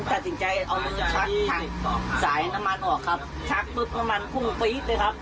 ตัดสินใจเอาชักสายน้ำมันออกครับชักปุ๊บน้ำมันพุ่งปี๊ดเลยครับ